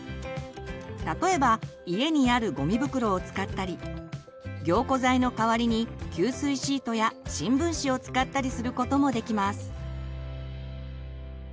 例えば家にあるゴミ袋を使ったり凝固剤の代わりに吸水シートや新聞紙を使ったりすることもできます。